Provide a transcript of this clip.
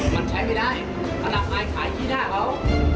มันใช้ไม่ได้ถนับอายขายขี้หน้าเขา